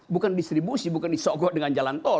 bukan distribusi bukan disogok dengan jalan tol